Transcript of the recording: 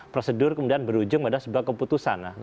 prosedur kemudian berujung pada sebuah keputusan